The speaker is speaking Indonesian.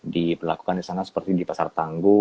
diperlakukan di sana seperti di pasar tangguh